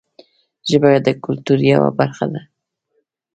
ژبه د کلتور یوه برخه ده